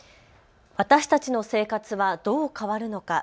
私たちの生活はどう変わるのか。